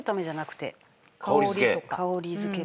香り付け。